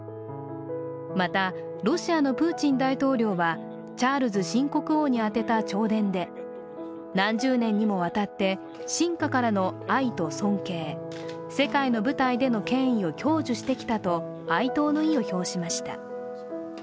また、ロシアのプーチン大統領はチャールズ新国王に当てた弔電で何十年にもわたって臣下からの愛と尊敬、世界の舞台での権威を享受してきたと哀悼の意を表しました。